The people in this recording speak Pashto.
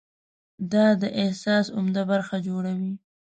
دا د احساس عمده برخه جوړوي.